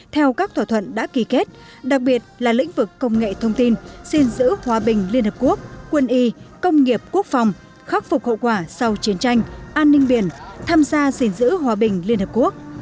theo các thỏa thuận đã ký kết đặc biệt là lĩnh vực công nghệ thông tin xin giữ hòa bình liên hợp quốc quân y công nghiệp quốc phòng khắc phục hậu quả sau chiến tranh an ninh biển tham gia xin giữ hòa bình liên hợp quốc